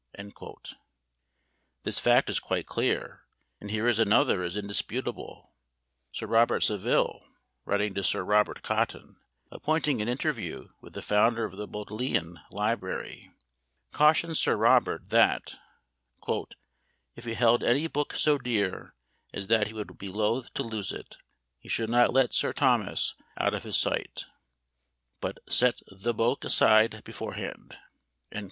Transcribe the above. This fact is quite clear, and here is another as indisputable. Sir Robert Saville writing to Sir Robert Cotton, appointing an interview with the founder of the Bodleian Library, cautions Sir Robert, that "If he held any book so dear as that he would be loath to lose it, he should not let Sir Thomas out of his sight, but set 'the boke' aside beforehand."